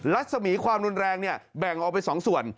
ลักษมีค์ความนุ่นแรงแบ่งออกไป๒ส่วน